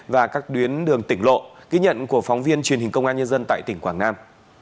và các tuyến đường tỉnh lộ ghi nhận của phóng viên truyền hình công an nhân dân tại tỉnh quảng nam